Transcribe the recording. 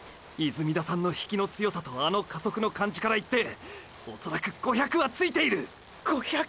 泉田さんの引きの強さとあの加速の感じからいっておそらく５００はついている！！